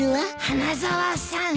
花沢さん。